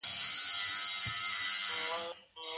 د خاوند او مېرمني تر منځ مينه څنګه زياتيږي؟